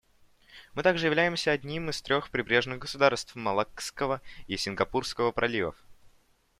Мы также являемся одним из трех прибрежных государств Малаккского и Сингапурского проливов.